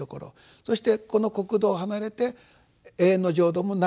そして「この国土を離れて永遠の浄土もないよ。